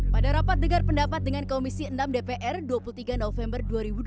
pada rapat dengar pendapat dengan komisi enam dpr dua puluh tiga november dua ribu dua puluh